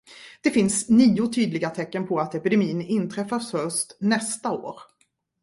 Det finns nio tydliga tecken på att epidemin inträffar först nästa år.